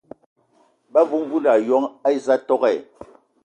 Ba vuvundu ayoŋ eza tok.